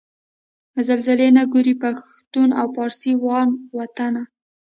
زلزلې نه ګوري پښتون او فارسي وان وطنه